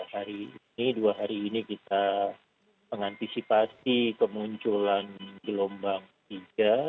hari ini dua hari ini kita mengantisipasi kemunculan gelombang tiga